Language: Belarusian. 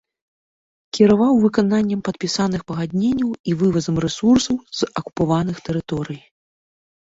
Кіраваў выкананнем падпісаных пагадненняў і вывазам рэсурсаў з акупаваных тэрыторый.